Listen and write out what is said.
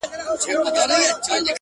سیاه پوسي ده ـ ستا غمِستان دی ـ